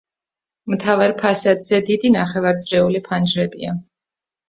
მთავარ ფასადზე დიდი ნახევარწრიული ფანჯრებია.